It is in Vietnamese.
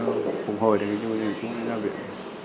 thì chúng ra bệnh